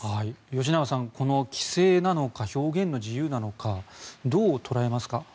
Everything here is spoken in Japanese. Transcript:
吉永さん規制なのか表現の自由なのかどう捉えますか？